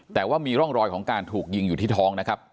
แต่ว่ามีร่องรอยของการถูกยิงอยู่ที่ท้องนะครับ